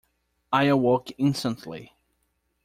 I awoke instantly.